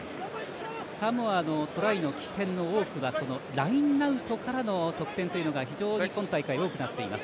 サモアのトライの起点の多くはラインアウトからの得点というのが非常に今大会多くなっています。